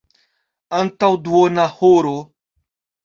Antaŭ duona horo.